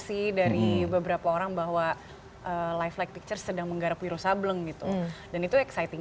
sih dari beberapa orang bahwa life flight picture sedang menggarap wiro sableng gitu dan itu exciting